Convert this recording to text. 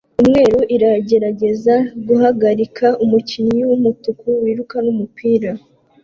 umweru iragerageza guhagarika umukinnyi wumutuku wiruka numupira